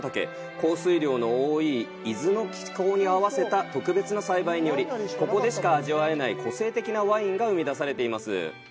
降水量の多い伊豆の気候に合わせた特別な栽培により、ここでしか味わえない個性的なワインが生み出されています。